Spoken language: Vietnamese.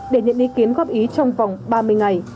để nhận ý kiến góp ý trong vòng ba mươi ngày